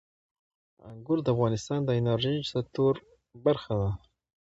انګور د افغانستان د انرژۍ سکتور برخه ده.